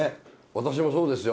私もそうですよ。